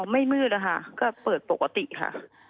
ไม่มืดนะคะก็เปิดปกติค่ะ